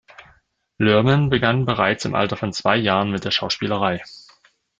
Lerman begann bereits im Alter von zwei Jahren mit der Schauspielerei.